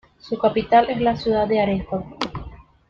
Su capital es la ciudad de Arezzo.